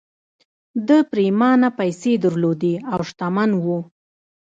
ده پرېمانه پيسې درلودې او شتمن و